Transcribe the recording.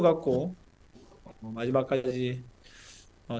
kita harus berhasil dan mencapai hasil yang baik